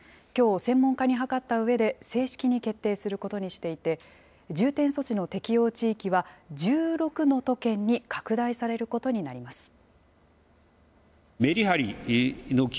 きょう、専門家に諮ったうえで、正式に決定することにしていて、重点措置の適用地域は、１６の都県に拡大されることになります。